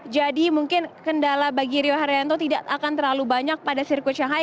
jadi mungkin kendala bagi rio haryanto tidak akan terlalu banyak pada sirkuit shanghai